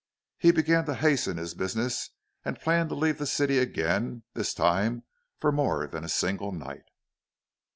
He began to hasten his business and plan to leave the city again, this time for more than a single night.